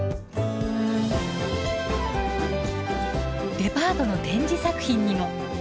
デパートの展示作品にも。